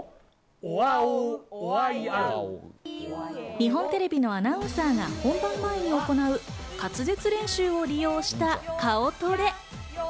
日本テレビのアナウンサーが本番前に行う滑舌練習を利用した顔トレ。